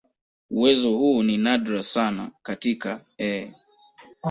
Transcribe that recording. Uwezo huu ni nadra sana katika "E.